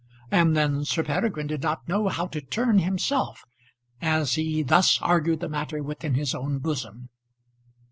And then Sir Peregrine did not know how to turn himself, as he thus argued the matter within his own bosom.